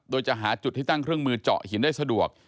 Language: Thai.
โดยจะหาจุดที่ตั้งเครื่องมือเจาะหินได้สะดวก